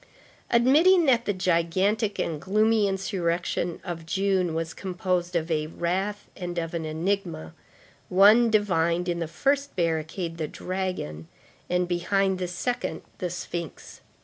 Admitting that the gigantic and gloomy insurrection of June was composed of a wrath and of an enigma, one divined in the first barricade the dragon, and behind the second the sphinx.